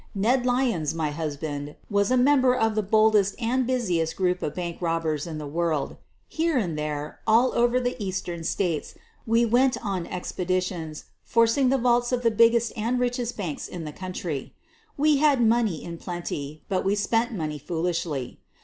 Ned Ly ons, my husband, was a member of the boldest ana busiest group of bank robbers in the world. Here and there, all over the Eastern States, we went 0:1 16 SOPHIE LYONS expeditions, forcing the vaults of the biggest and richest banks in the country. We had money in plenty, but we spent money foolishly.